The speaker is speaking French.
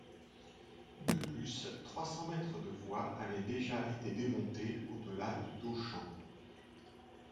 De plus, trois cents mètres de voie avaient déjà été démontés au-delà de Dochamps...